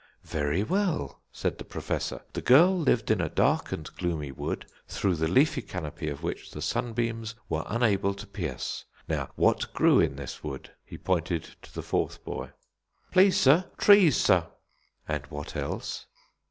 "Very well," said the Professor. "The girl lived in a dark and gloomy wood, through the leafy canopy of which the sunbeams were unable to pierce. Now, what grew in this wood?" He pointed to the fourth boy. "Please, sir, trees, sir." "And what else?"